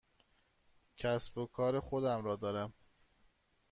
کسب و کار خودم را دارم.